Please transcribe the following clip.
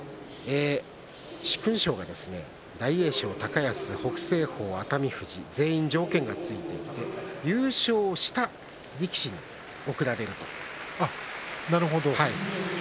殊勲賞が大栄翔、高安、北青鵬、熱海富士全員を条件が付いていて優勝した力士に贈られるということです。